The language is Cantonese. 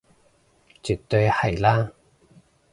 絕對係啦